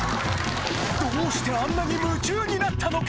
どうしてあんなに夢中になったのか！